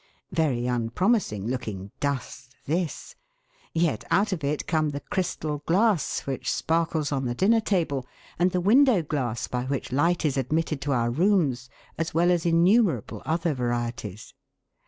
Very unpromising looking " dust " this, yet out of it come the crystal glass which sparkles on the dinner table, and the window glass by which light is admitted to our rooms, as well as innumerable other varieties.